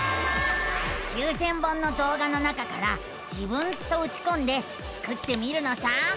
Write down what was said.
９，０００本のどう画の中から「自分」とうちこんでスクってみるのさ。